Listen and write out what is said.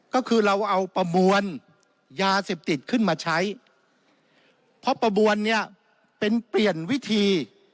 ก็คือเราเอาประบวนยาเสพติดขึ้นมาใช้เพราะประบวนเนี่ยเป็นเปลี่ยนวิธี